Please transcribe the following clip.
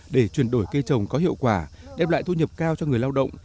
để chuyển đổi cây trồng có hiệu quả đem lại thu nhập cao cho người lao động